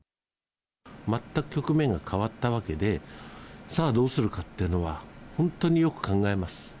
全く局面が変わったわけで、さあ、どうするかっていうのは、本当によく考えます。